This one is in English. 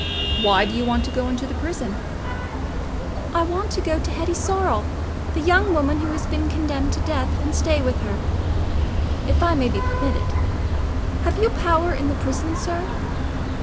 Why do you want to go into the prison?" "I want to go to Hetty Sorrel, the young woman who has been condemned to death—and to stay with her, if I may be permitted. Have you power in the prison, sir?"